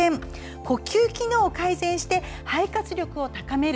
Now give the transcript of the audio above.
呼吸機能を改善して肺活力を高める